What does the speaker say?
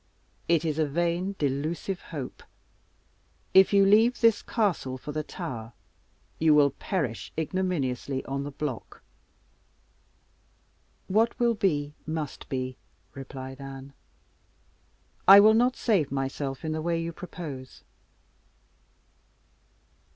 It is a vain delusive hope. If you leave this castle for the Tower, you will perish ignominiously on the block." "What will be, must be!" replied Anne. "I will not save myself in the way you propose."